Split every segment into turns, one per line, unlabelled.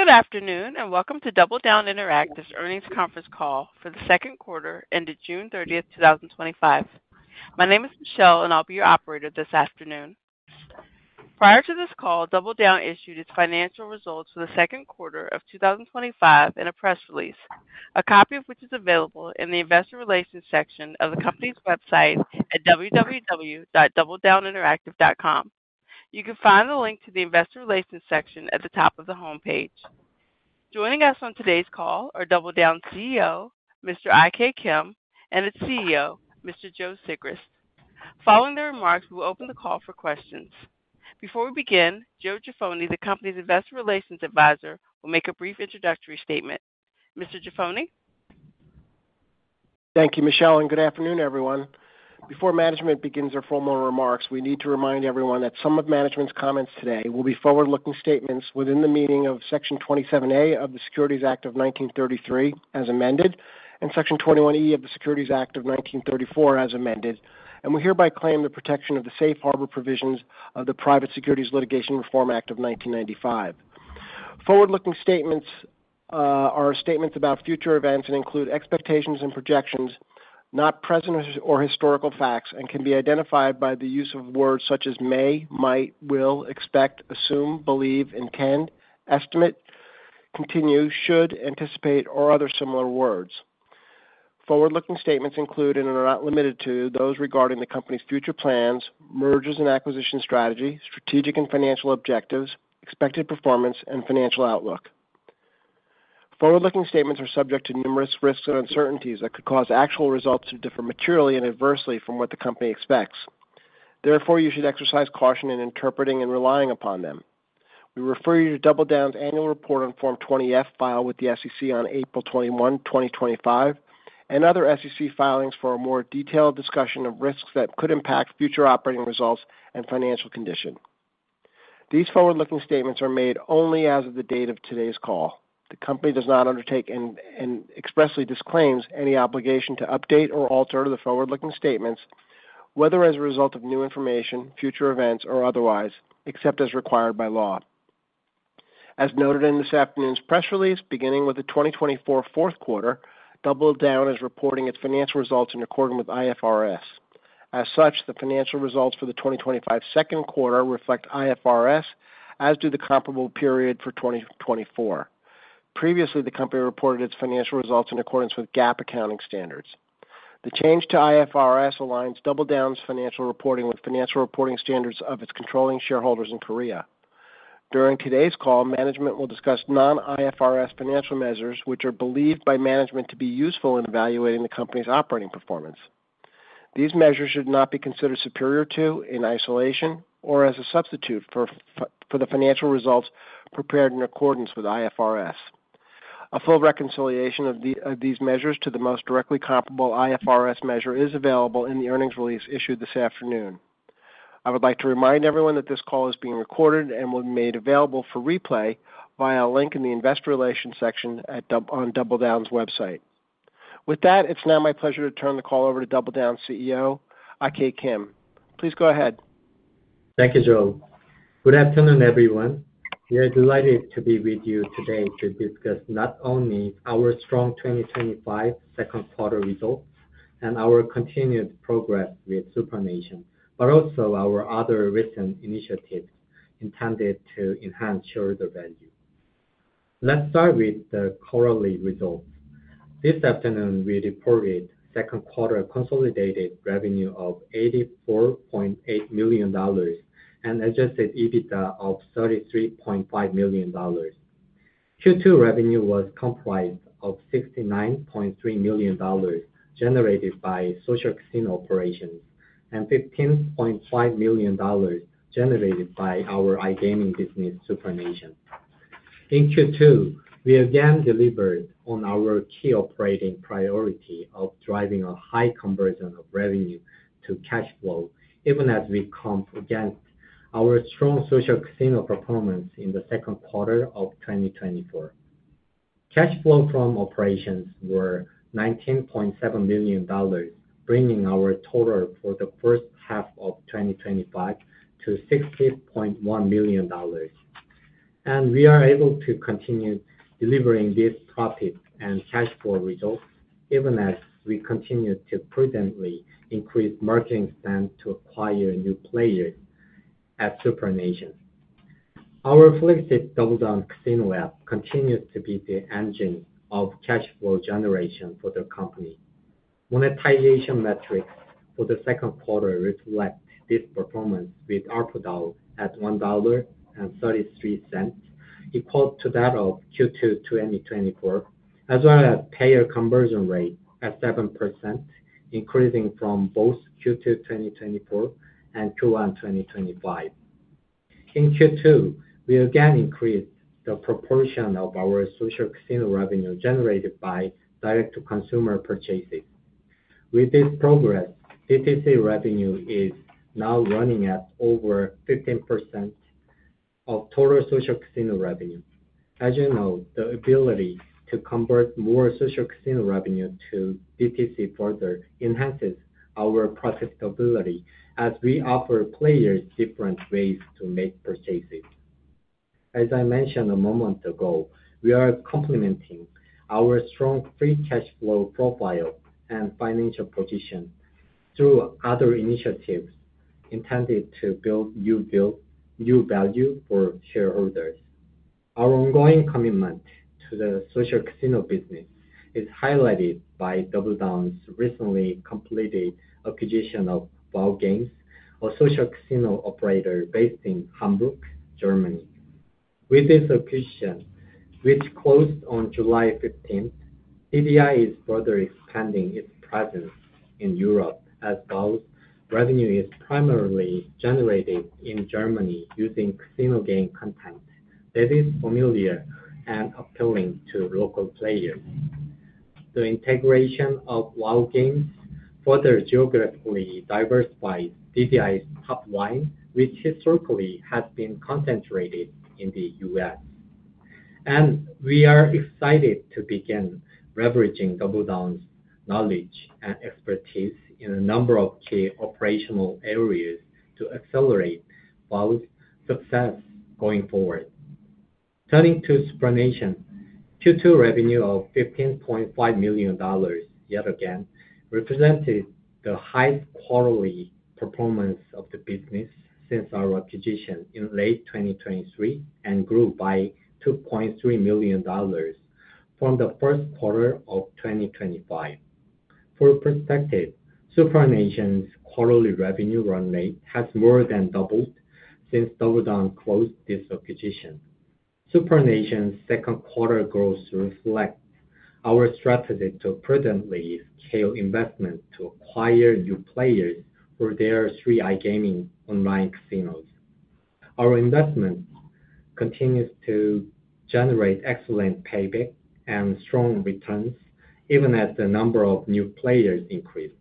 Good afternoon and welcome to DoubleDown Interactive's Earnings Conference Call For The Second Quarter Ended June 30, 2025. My name is Michelle, and I'll be your operator this afternoon. Prior to this call, DoubleDown. issued its financial results for the second quarter of 2025 in a press release, a copy of which is available in the Investor Relations section of the company's website at www.doubledowninteractive.com. You can find the link to the Investor Relations section at the top of the homepage. Joining us on today's call are DoubleDown's CEO, Mr. In Keuk Kim, and its CFO, Mr. Joseph Sigrist. Following their remarks, we will open the call for questions. Before we begin, Joseph Jaffoni, the company's Investor Relations Advisor, will make a brief introductory statement. Mr. Jaffoni?
Thank you, Michelle, and good afternoon, everyone. Before management begins their formal remarks, we need to remind everyone that some of management's comments today will be forward-looking statements within the meaning of Section 27(a) of the Securities Act of 1933 as amended, and Section 21(e) of the Securities Act of 1934 as amended, and will hereby claim the protection of the safe harbor provisions of the Private Securities Litigation Reform Act of 1995. Forward-looking statements are statements about future events and include expectations and projections, not present or historical facts, and can be identified by the use of words such as may, might, will, expect, assume, believe, intend, estimate, continue, should, anticipate, or other similar words. Forward-looking statements include and are not limited to those regarding the company's future plans, M&A strategy, strategic and financial objectives, expected performance, and financial outlook. Forward-looking statements are subject to numerous risks and uncertainties that could cause actual results to differ materially and adversely from what the company expects. Therefore, you should exercise caution in interpreting and relying upon them. We refer you to DoubleDown annual report on Form 20F filed with the SEC on April 21, 2025, and other SEC filings for a more detailed discussion of risks that could impact future operating results and financial condition. These forward-looking statements are made only as of the date of today's call. The company does not undertake and expressly disclaims any obligation to update or alter the forward-looking statements, whether as a result of new information, future events, or otherwise, except as required by law. As noted in this afternoon's press release, beginning with the 2024 fourth quarter, DoubleDown. is reporting its financial results in accordance with IFRS. As such, the financial results for the 2025 second quarter reflect IFRS, as do the comparable period for 2024. Previously, the company reported its financial results in accordance with GAAP accounting standards. The change to IFRS aligns DoubleDown's financial reporting with financial reporting standards of its controlling shareholders in Korea. During today's call, management will discuss non-IFRS financial measures, which are believed by management to be useful in evaluating the company's operating performance. These measures should not be considered superior to, in isolation, or as a substitute for the financial results prepared in accordance with IFRS. A full reconciliation of these measures to the most directly comparable IFRS measure is available in the earnings release issued this afternoon.I would like to remind everyone that this call is being recorded and will be made available for replay via a link in the Investor Relations section on DoubleDown's website. With that, it's now my pleasure to turn the call over to DoubleDown's CEO, I.K. Kim. Please go ahead.
Thank you, Joe. Good afternoon, everyone. We are delighted to be with you today to discuss not only our strong 2025 second quarter results and our continued progress with SuprNation, but also our other recent initiatives intended to enhance shareholder value. Let's start with the quarterly results. This afternoon, we reported second quarter consolidated revenue of $84.8 million and adjusted EBITDA of $33.5 million. Q2 revenue was comprised of $69.3 million generated by social casino operations and $15.5 million generated by our iGaming business, SuprNation. In Q2, we again delivered on our key operating priority of driving a high conversion of revenue to cash flow, even as we come against our strong social casino performance in the second quarter of 2024. Cash flow from operations was $19.7 million, bringing our total for the first half of 2025 to $60.1 million. We are able to continue delivering this profit and cash flow results even as we continue to prudently increase margin spend to acquire new players at SuprNation. Our flexible DoubleDown Casino app continues to be the engine of cash flow generation for the company. Monetization metrics for the second quarter reflect this performance with ARPDAU at $1.33 equal to that of Q2 2024, as well as payer conversion rate at 7%, increasing from both Q2 2024 and Q1 2025. In Q2, we again increased the proportion of our social casino revenue generated by direct-to-consumer purchases. With this progress, DTC revenue is now running at over 15% of total social casino revenue. As you know, the ability to convert more social casino revenue to DTC further enhances our profitability as we offer players different ways to make purchases. As I mentioned a moment ago, we are complementing our strong free cash flow profile and financial position through other initiatives intended to build new value for shareholders. Our ongoing commitment to the social casino business is highlighted by DoubleDown's recently completed acquisition of WHOW Games GmbH, a social casino operator based in Hamburg, Germany. With this acquisition, which closed on July 15, DBI is further expanding its presence in Europe as WHOW's revenue is primarily generated in Germany using casino game content that is familiar and appealing to local players. The integration of WHOW Games further geographically diversifies DBI's top line, which historically has been concentrated in the U.S. We are excited to begin leveraging DoubleDown's knowledge and expertise in a number of key operational areas to accelerate WHOW's success going forward. Turning to SuprNation, Q2 revenue of $15.5 million yet again represented the highest quarterly performance of the business since our acquisition in late 2023 and grew by $2.3 million from the first quarter of 2025. For perspective, SuprNation's quarterly revenue run rate has more than doubled since DoubleDown closed this acquisition. SuprNation's second quarter growth reflects our strategy to prudently scale investments to acquire new players for their three iGaming online casinos. Our investment continues to generate excellent payback and strong returns even as the number of new players increases.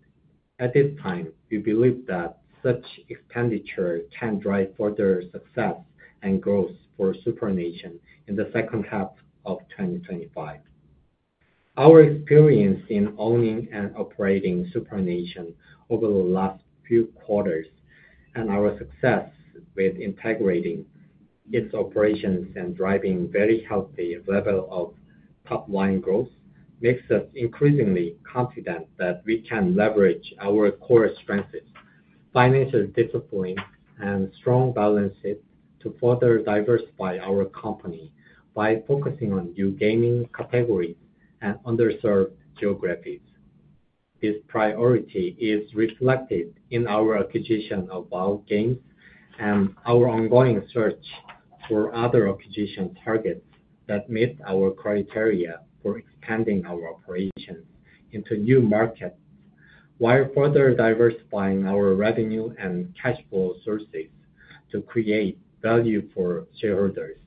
At this time, we believe that such expenditure can drive further success and growth for SuprNation in the second half of 2025. Our experience in owning and operating SuprNation over the last few quarters and our success with integrating its operations and driving very healthy levels of top-line growth make us increasingly confident that we can leverage our core strengths, financial discipline, and strong balances to further diversify our company by focusing on new gaming categories and underserved geographies. This priority is reflected in our acquisition of WHOW Games and our ongoing search for other acquisition targets that meet our criteria for expanding our operations into new markets while further diversifying our revenue and cash flow sources to create value for shareholders.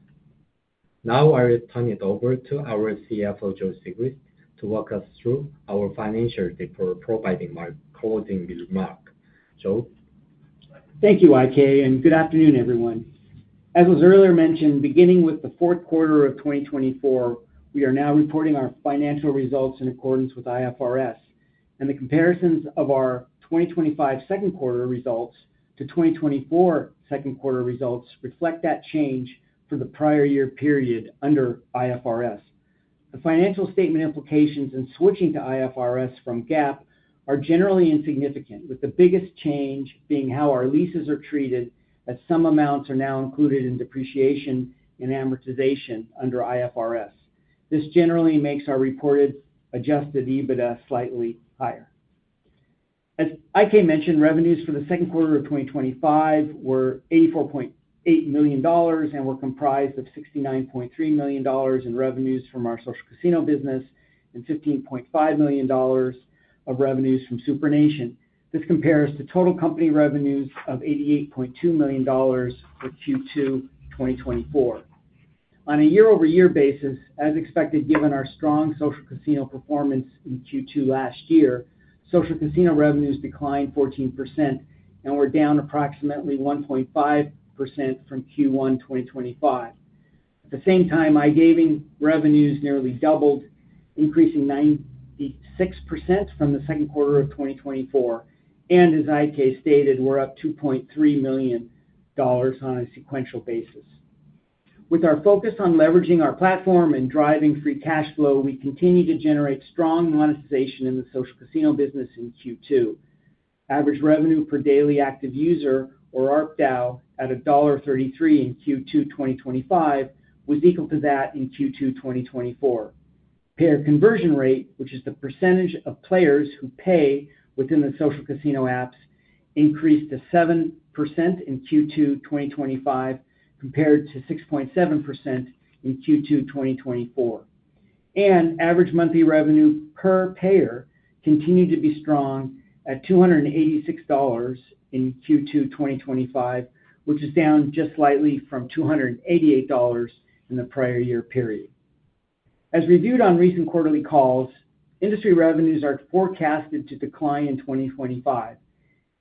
Now I will turn it over to our CFO, Joe Sigrist, to walk us through our financial reporting remarks. Joe.
Thank you, I.K., and good afternoon, everyone. As was earlier mentioned, beginning with the fourth quarter of 2024, we are now reporting our financial results in accordance with IFRS, and the comparisons of our 2025 second quarter results to 2024 second quarter results reflect that change from the prior year period under IFRS. The financial statement implications in switching to IFRS from GAAP are generally insignificant, with the biggest change being how our leases are treated, as some amounts are now included in depreciation and amortization under IFRS. This generally makes our reported adjusted EBITDA slightly higher. As I.K. mentioned, revenues for the second quarter of 2025 were $84.8 million and were comprised of $69.3 million in revenues from our social casino business and $15.5 million of revenues from SuprNation. This compares to total company revenues of $88.2 million for Q2 2024. On a year-over-year basis, as expected, given our strong social casino performance in Q2 last year, social casino revenues declined 14% and were down approximately 1.5% from Q1 2025. At the same time, iGaming revenues nearly doubled, increasing 96% from the second quarter of 2024, and as I.K. stated, we're up $2.3 million on a sequential basis. With our focus on leveraging our platform and driving free cash flow, we continue to generate strong monetization in the social casino business in Q2. Average revenue per daily active user, or ARPDAU, at $1.33 in Q2 2025 was equal to that in Q2 2024. Payer conversion rate, which is the percentage of players who pay within the social casino apps, increased to 7% in Q2 2025 compared to 6.7% in Q2 2024. Average monthly revenue per payer continued to be strong at $286 in Q2 2025, which is down just slightly from $288 in the prior year period. As reviewed on recent quarterly calls, industry revenues are forecasted to decline in 2025.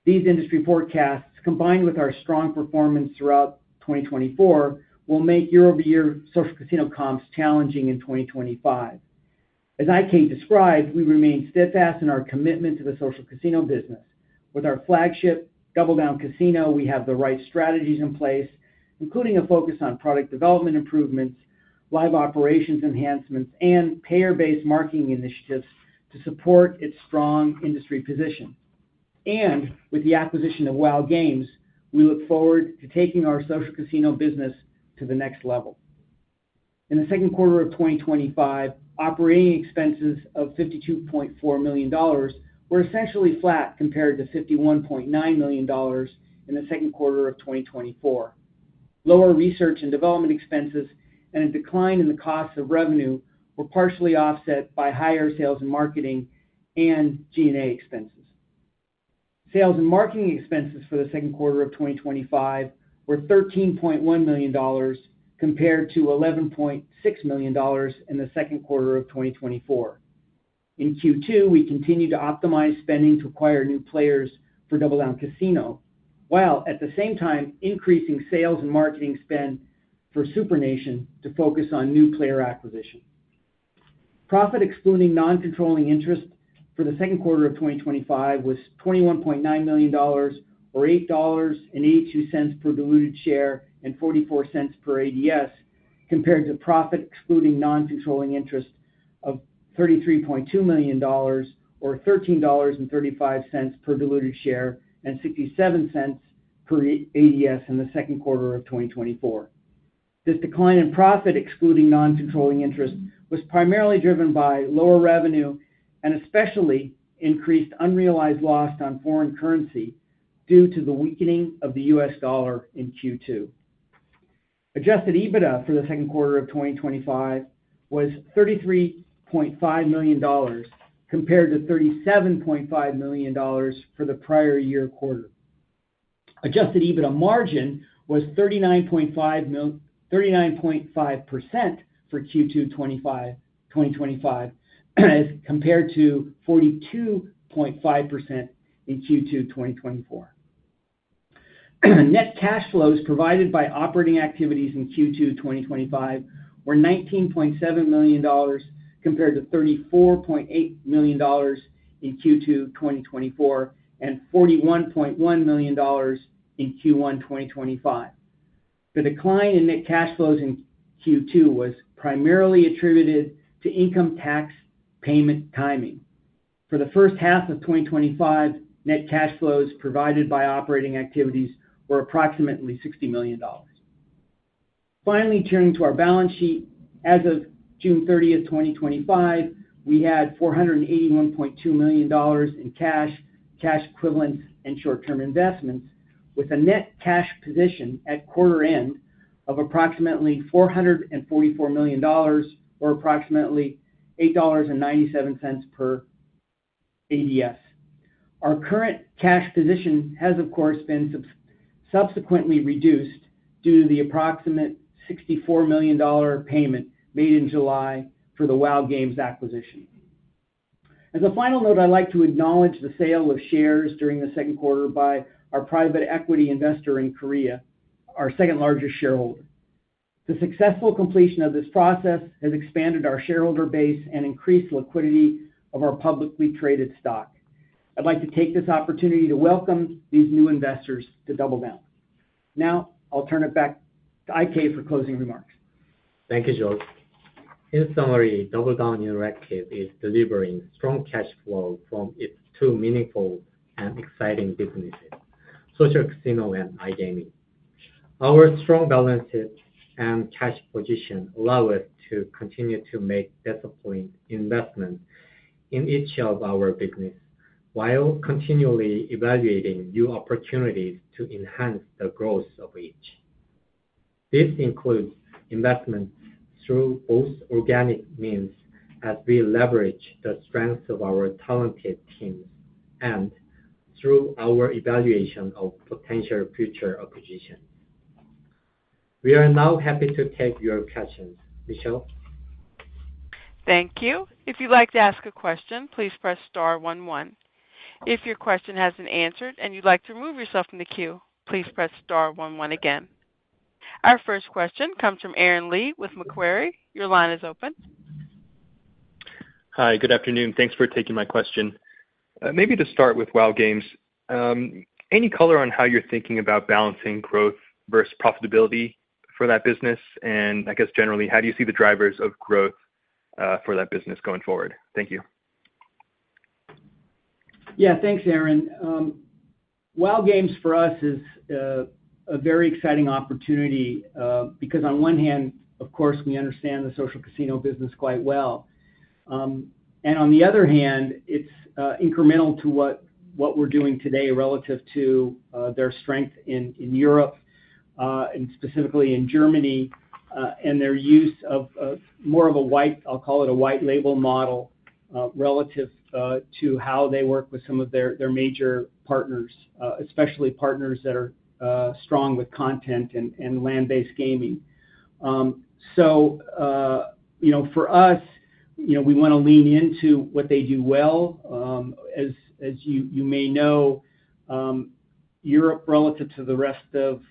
These industry forecasts, combined with our strong performance throughout 2024, will make year-over-year social casino comps challenging in 2025. As I.K. described, we remain steadfast in our commitment to the social casino business. With our flagship DoubleDown Casino, we have the right strategies in place, including a focus on product development improvements, live operations enhancements, and payer-based marketing initiatives to support its strong industry position. With the acquisition of WHOW Games, we look forward to taking our social casino business to the next level. In the second quarter of 2025, operating expenses of $52.4 million were essentially flat compared to $51.9 million in the second quarter of 2024. Lower research and development expenses and a decline in the cost of revenue were partially offset by higher sales and marketing and G&A expenses. Sales and marketing expenses for the second quarter of 2025 were $13.1 million compared to $11.6 million in the second quarter of 2024. In Q2, we continued to optimize spending to acquire new players for DoubleDown Casino, while at the same time increasing sales and marketing spend for SuprNation to focus on new player acquisition. Profit excluding non-controlling interest for the second quarter of 2025 was $21.9 million, or $8.82 per diluted share and $0.44 per ADS, compared to profit excluding non-controlling interest of $33.2 million, or $13.35 per diluted share and $0.67 per ADS in the second quarter of 2024. This decline in profit excluding non-controlling interest was primarily driven by lower revenue and especially increased unrealized loss on foreign currency due to the weakening of the U.S. dollar in Q2. Adjusted EBITDA for the second quarter of 2025 was $33.5 million compared to $37.5 million for the prior year quarter. Adjusted EBITDA margin was 39.5% for Q2 2025 as compared to 42.5% in Q2 2024. Net cash flows provided by operating activities in Q2 2025 were $19.7 million compared to $34.8 million in Q2 2024 and $41.1 million in Q1 2025. The decline in net cash flows in Q2 was primarily attributed to income tax payment timing. For the first half of 2025, net cash flows provided by operating activities were approximately $60 million. Finally, turning to our balance sheet, as of June 30, 2025, we had $481.2 million in cash, cash equivalents, and short-term investments, with a net cash position at quarter end of approximately $444 million, or approximately $8.97 per ADS. Our current cash position has, of course, been subsequently reduced due to the approximate $64 million payment made in July for the WHOW Games acquisition. As a final note, I'd like to acknowledge the sale of shares during the second quarter by our private equity investor in Korea, our second largest shareholder. The successful completion of this process has expanded our shareholder base and increased the liquidity of our publicly traded stock. I'd like to take this opportunity to welcome these new investors to DoubleDown. Now, I'll turn it back to I.K. for closing remarks.
Thank you, Joe. In summary, DoubleDown Interactive is delivering strong cash flow from its two meaningful and exciting businesses, social casino and iGaming. Our strong balances and cash position allow us to continue to make disciplined investments in each of our businesses while continually evaluating new opportunities to enhance the growth of each. This includes investments through both organic means as we leverage the strengths of our talented team and through our evaluation of potential future acquisitions. We are now happy to take your questions, Michelle.
Thank you. If you'd like to ask a question, please press star one one. If your question hasn't been answered and you'd like to remove yourself from the queue, please press star one one again. Our first question comes from Aaron Lee with Macquarie. Your line is open.
Hi, good afternoon. Thanks for taking my question. Maybe to start with WHOW Games, any color on how you're thinking about balancing growth versus profitability for that business? I guess generally, how do you see the drivers of growth for that business going forward? Thank you.
Yeah, thanks, Aaron. WHOW Games, for us, is a very exciting opportunity because on one hand, of course, we understand the social casino business quite well. On the other hand, it's incremental to what we're doing today relative to their strength in Europe, specifically in Germany, and their use of more of a, I'll call it, a white-label model relative to how they work with some of their major partners, especially partners that are strong with content and land-based gaming. For us, we want to lean into what they do well. As you may know, Europe relative to the rest of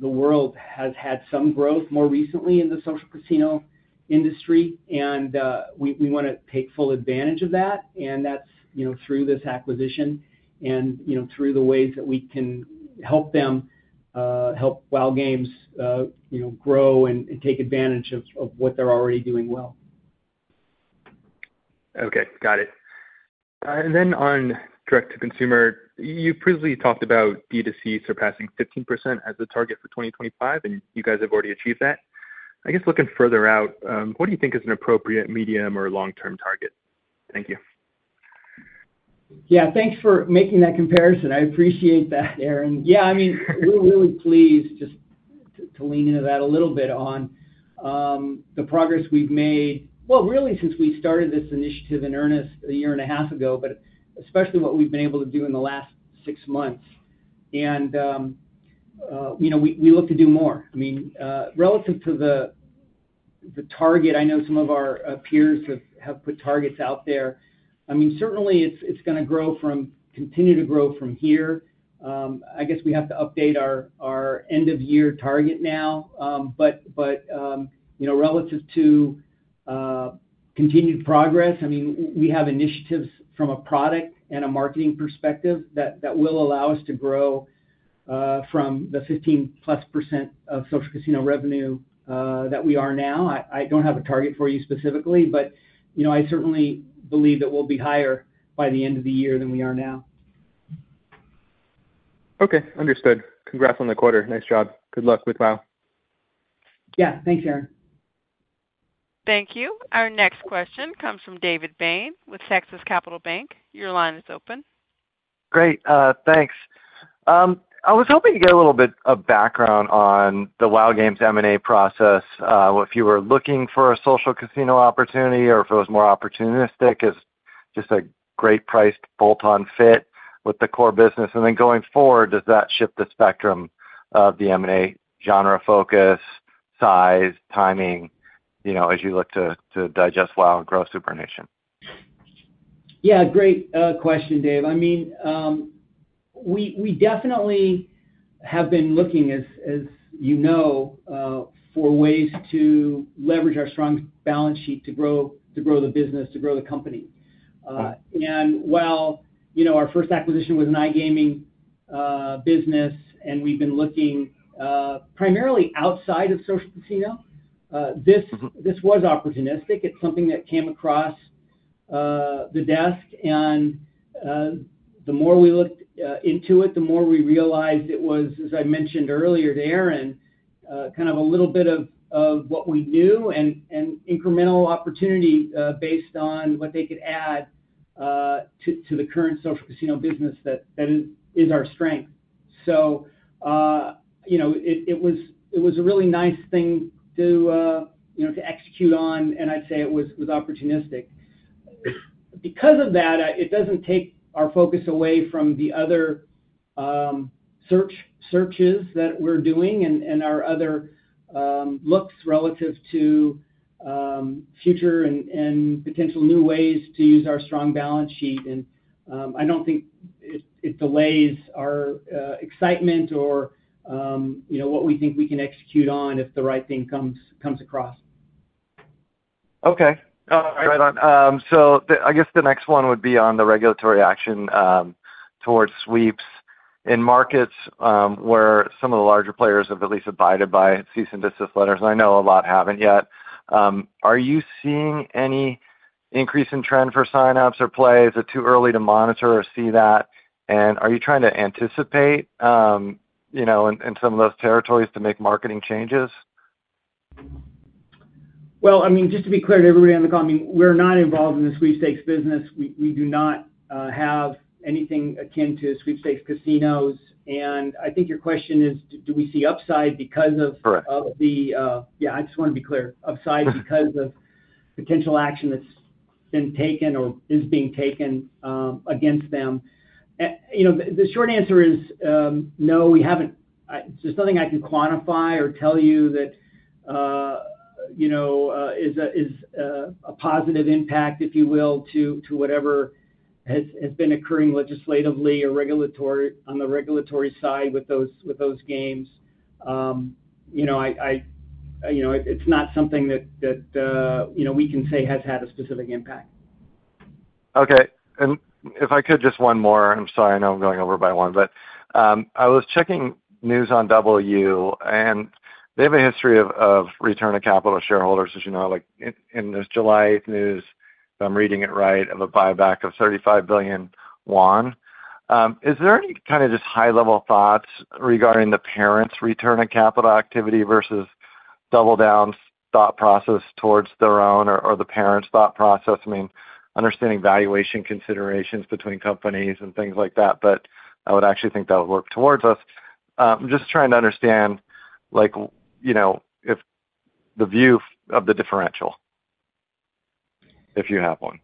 the world has had some growth more recently in the social casino industry, and we want to take full advantage of that. That's through this acquisition and through the ways that we can help them, help WHOW Games, grow and take advantage of what they're already doing well.
Okay, got it. On direct-to-consumer, you previously talked about DTC surpassing 15% as the target for 2025, and you guys have already achieved that. I guess looking further out, what do you think is an appropriate medium or long-term target? Thank you.
Yeah, thanks for making that comparison. I appreciate that, Aaron. I'm really pleased just to lean into that a little bit on the progress we've made, really since we started this initiative in earnest a year and a half ago, especially what we've been able to do in the last six months. We look to do more. Relative to the target, I know some of our peers have put targets out there. Certainly, it's going to continue to grow from here. I guess we have to update our end-of-year target now. Relative to continued progress, we have initiatives from a product and a marketing perspective that will allow us to grow from the 15%+ of social casino revenue that we are now. I don't have a target for you specifically, but I certainly believe that we'll be higher by the end of the year than we are now.
Okay, understood. Congrats on the quarter. Nice job. Good luck with WHOW Games.
Yeah, thanks, Aaron.
Thank you. Our next question comes from David Bain with Texas Capital Bank. Your line is open.
Great, thanks. I was hoping to get a little bit of background on the WHOW Games M&A process. If you were looking for a social casino opportunity or if it was more opportunistic, is just a great priced bolt-on fit with the core business? Then going forward, does that shift the spectrum of the M&A genre focus, size, timing, you know, as you look to digest WHOW Games and grow SuprNation?
Yeah, great question, Dave. I mean, we definitely have been looking, as you know, for ways to leverage our strong balance sheet to grow the business, to grow the company. While our first acquisition was an iGaming business, and we've been looking primarily outside of social casino, this was opportunistic. It's something that came across the desk. The more we looked into it, the more we realized it was, as I mentioned earlier to Aaron, kind of a little bit of what we knew and incremental opportunity based on what they could add to the current social casino business that is our strength. It was a really nice thing to execute on, and I'd say it was opportunistic. Because of that, it doesn't take our focus away from the other searches that we're doing and our other looks relative to future and potential new ways to use our strong balance sheet. I don't think it delays our excitement or what we think we can execute on if the right thing comes across.
Okay, I got it. I guess the next one would be on the regulatory action towards sweeps in markets where some of the larger players have at least abided by cease-and-desist letters, and I know a lot haven't yet. Are you seeing any increase in trend for sign-ups or plays? Is it too early to monitor or see that? Are you trying to anticipate, you know, in some of those territories to make marketing changes?
Just to be clear to everybody on the call, we're not involved in the sweepstakes business. We do not have anything akin to sweepstakes casinos. I think your question is, do we see upside because of the, yeah, I just want to be clear, upside because of potential action that's been taken or is being taken against them? The short answer is no, we haven't. There's nothing I can quantify or tell you that is a positive impact, if you will, to whatever has been occurring legislatively or on the regulatory side with those games. It's not something that we can say has had a specific impact.
Okay, and if I could, just one more. I'm sorry, I know I'm going over by one, but I was checking news on DoubleU, and they have a history of return of capital to shareholders, as you know, like in this July 8 news, if I'm reading it right, of a buyback of CNY 35 billion. Is there any kind of just high-level thoughts regarding the parents' return of capital activity versus DoubleDown's thought process towards their own or the parents' thought process? I mean, understanding valuation considerations between companies and things like that, but I would actually think that would work towards us. I'm just trying to understand, like, you know, if the view of the differential, if you have one.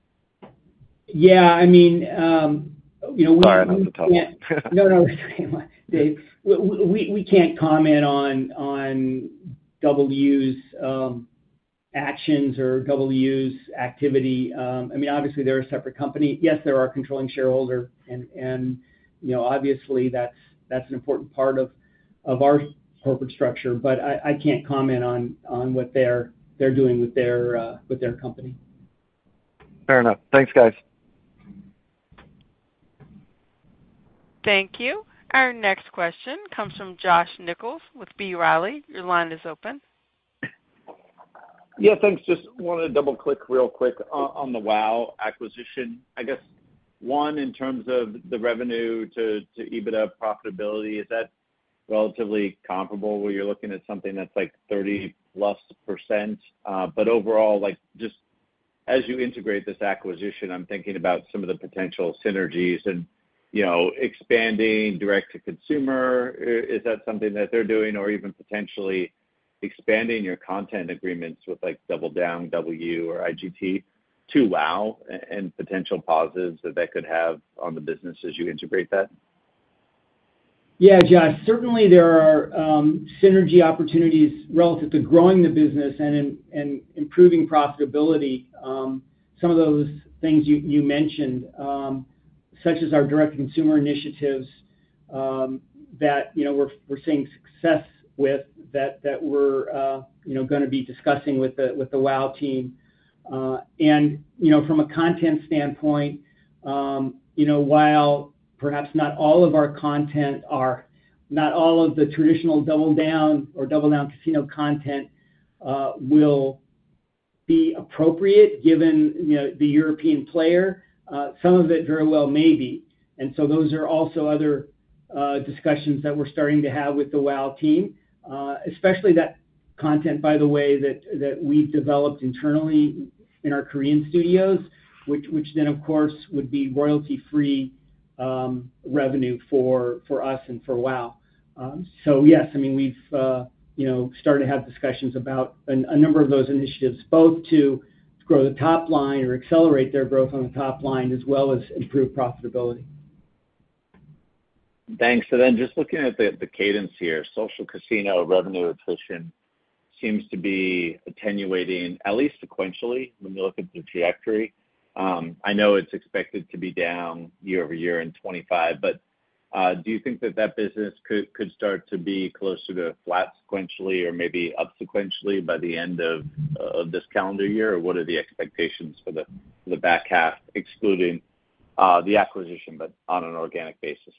Yeah, I mean, you know.
Sorry, I'm not supposed to tell you.
No, it's okay, Dave. We can't comment on DoubleU's actions or DoubleU's activity. I mean, obviously, they're a separate company. Yes, they're our controlling shareholder, and, you know, obviously, that's an important part of our corporate structure, but I can't comment on what they're doing with their company.
Fair enough. Thanks, guys.
Thank you. Our next question comes from Josh Nichols with B. Riley. Your line is open.
Yeah, thanks. Just wanted to double-click real quick on the WHOW acquisition. I guess, one, in terms of the revenue to EBITDA profitability, is that relatively comparable where you're looking at something that's like 30%+? Overall, just as you integrate this acquisition, I'm thinking about some of the potential synergies and expanding direct-to-consumer. Is that something that they're doing or even potentially expanding your content agreements with like DoubleDown, DoubleU, or IGT to WHOW and potential pauses that that could have on the business as you integrate that?
Yes, certainly there are synergy opportunities relative to growing the business and improving profitability. Some of those things you mentioned, such as our direct-to-consumer initiatives that we're seeing success with, that we're going to be discussing with the WHOW team. From a content standpoint, while perhaps not all of our content or not all of the traditional DoubleDown or DoubleDown Casino content will be appropriate given the European player, some of it very well may be. Those are also other discussions that we're starting to have with the WHOW team, especially that content, by the way, that we've developed internally in our Korean studios, which then, of course, would be royalty-free revenue for us and for WHOW. Yes, we've started to have discussions about a number of those initiatives, both to grow the top line or accelerate their growth on the top line, as well as improve profitability.
Thanks. Just looking at the cadence here, social casino revenue attrition seems to be attenuating at least sequentially when you look at the trajectory. I know it's expected to be down year over year in 2025, but do you think that that business could start to be closer to flat sequentially or maybe up sequentially by the end of this calendar year? What are the expectations for the back half, excluding the acquisition, but on an organic basis?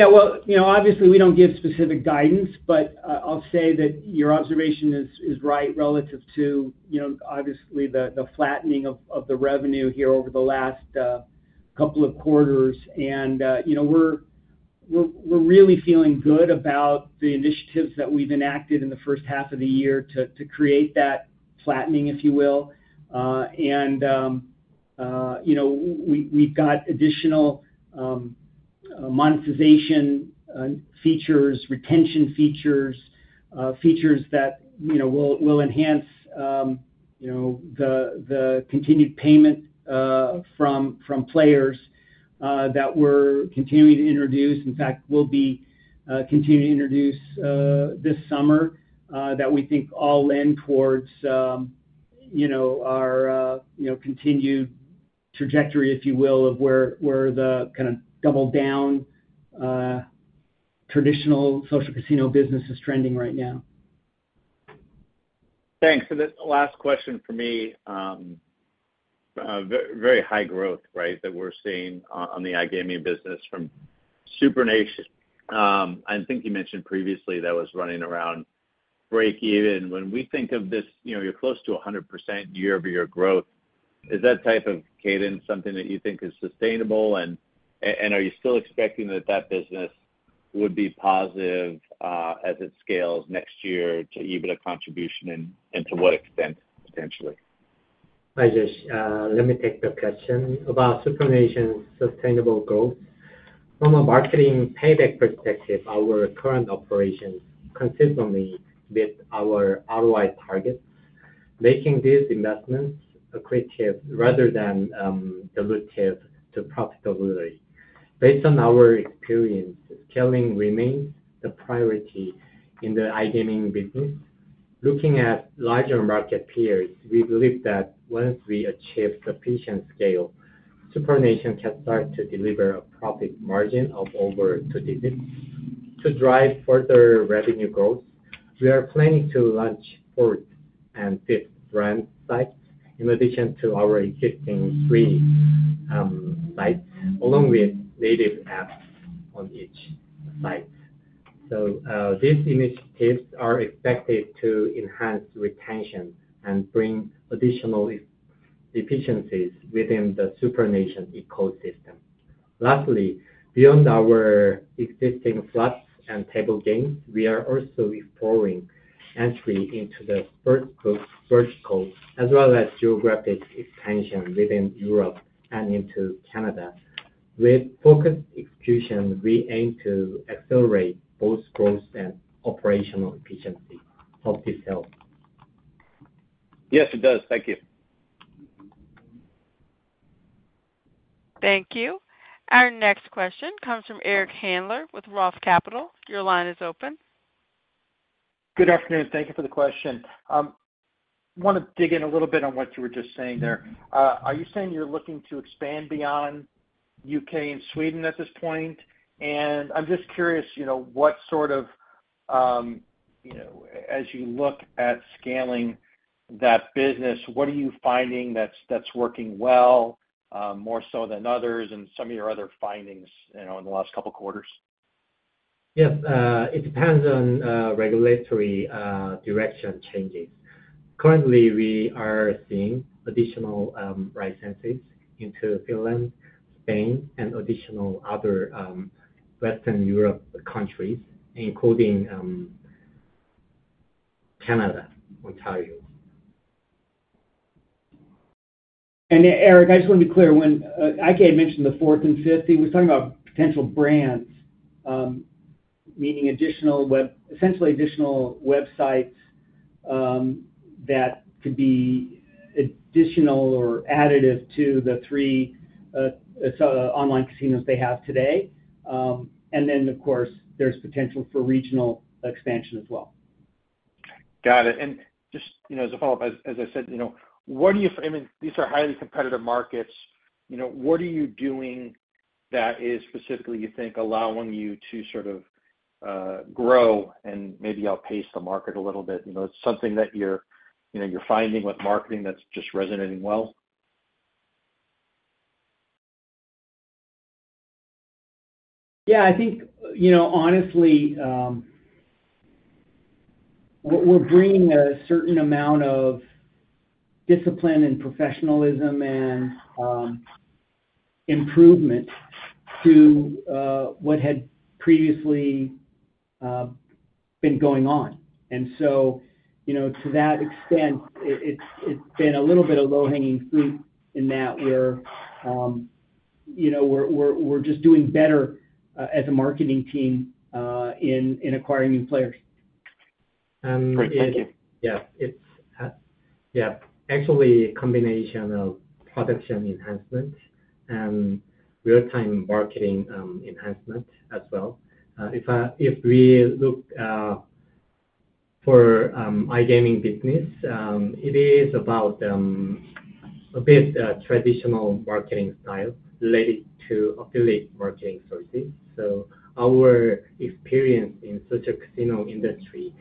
Obviously, we don't give specific guidance, but I'll say that your observation is right relative to the flattening of the revenue here over the last couple of quarters. We're really feeling good about the initiatives that we've enacted in the first half of the year to create that flattening, if you will. We've got additional monetization features, retention features, features that will enhance the continued payment from players that we're continuing to introduce. In fact, we'll be continuing to introduce this summer that we think all lend towards our continued trajectory, if you will, of where the kind of DoubleDown traditional social casino business is trending right now.
Thanks. The last question for me, very high growth, right, that we're seeing on the iGaming business from SuprNation. I think you mentioned previously that was running around break-even. When we think of this, you know, you're close to 100% year-over-year growth. Is that type of cadence something that you think is sustainable? Are you still expecting that that business would be positive as it scales next year to EBITDA contribution and to what extent potentially?
Hi Jason. Let me take the question about SuprNation's sustainable growth. From a marketing payback perspective, our current operations consistently meet our ROI targets, making these investments accretive rather than dilutive to profitability. Based on our experience, scaling remains a priority in the iGaming business. Looking at larger market peers, we believe that once we achieve sufficient scale, SuprNation can start to deliver a profit margin of over 10%. To drive further revenue growth, we are planning to launch fourth and fifth brand sites in addition to our existing three sites, along with native apps on each site. These initiatives are expected to enhance retention and bring additional efficiencies within the SuprNation ecosystem. Lastly, beyond our existing slot and table game, we are also exploring entry into the vertical, as well as geographic expansion within Europe and into Canada. With focused execution, we aim to accelerate both growth and operational efficiency.
Yes, it does. Thank you.
Thank you. Our next question comes from Eric Handler with ROTH Capital. Your line is open.
Good afternoon. Thank you for the question. I want to dig in a little bit on what you were just saying there. Are you saying you're looking to expand beyond the U.K. and Sweden at this point? I'm just curious, as you look at scaling that business, what are you finding that's working well, more so than others, and some of your other findings in the last couple of quarters?
It depends on regulatory direction changing. Currently, we are seeing additional licensing into Finland, Spain, and additional other Western Europe countries, including Canada, we'll tell you.
Eric, I just want to be clear, when I.K. mentioned the fourth and fifth, he was talking about potential brands, meaning additional web, essentially additional websites that could be additional or additive to the three online casinos they have today. Of course, there's potential for regional expansion as well.
Got it. As a follow-up, what are you doing that is specifically, you think, allowing you to sort of grow and maybe outpace the market a little bit? It's something that you're finding with marketing that's just resonating well?
I think, honestly, we're bringing a certain amount of discipline and professionalism and improvement to what had previously been going on. To that extent, it's been a little bit of low-hanging fruit in that we're just doing better as a marketing team in acquiring new players.
Yeah, it's actually a combination of production enhancements and real-time marketing enhancements as well. If we look for iGaming business, it is about a bit of the traditional marketing style related to affiliate marketing sources. Our experience in the social casino industry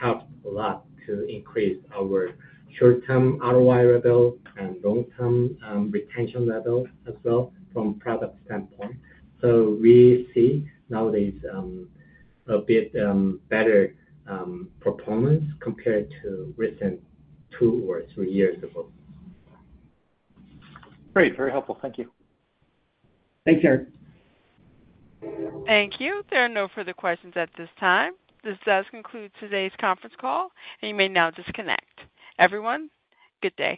helps a lot to increase our short-term ROI level and long-term retention levels as well from a product standpoint. We see nowadays a bit better performance compared to recent two or three years ago.
Great, very helpful. Thank you.
Thanks, Eric.
Thank you. There are no further questions at this time. This does conclude today's conference call, and you may now disconnect. Everyone, good day.